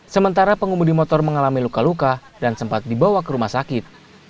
sementara pengemudi motor mengalami luka luka dan sempat dibawa ke rumah sakit